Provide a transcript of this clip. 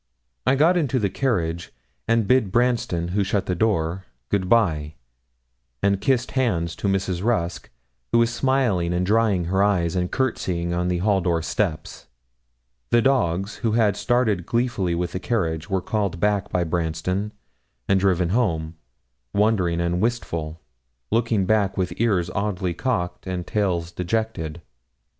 I got into the carriage, and bid Branston, who shut the door, good bye, and kissed hands to Mrs. Rusk, who was smiling and drying her eyes and courtesying on the hall door steps. The dogs, who had started gleefully with the carriage, were called back by Branston, and driven home, wondering and wistful, looking back with ears oddly cocked and tails dejected.